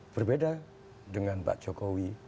berbeda dengan pak jokowi